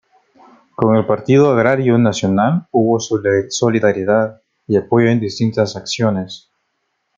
Con el Partido Agrario Nacional hubo solidaridad y apoyo en distintas acciones.